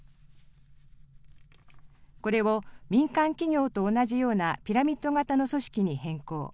これを民間企業と同じようなピラミッド型の組織に変更。